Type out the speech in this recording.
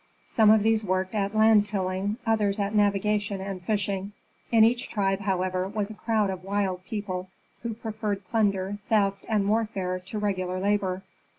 Some of these worked at land tilling, others at navigation and fishing; in each tribe, however, was a crowd of wild people, who preferred plunder, theft, and warfare to regular labor.